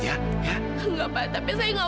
doakan saya memang udh